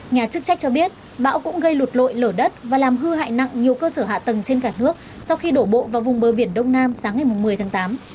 nhà chức trách cho biết bão cũng gây lụt lội lở đất và làm hư hại nặng nhiều cơ sở hạ tầng trên cả nước sau khi đổ bộ vào vùng bờ biển đông nam sáng ngày một mươi tháng tám